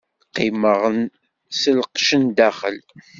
Qqimeɣ s lqecc n daxel.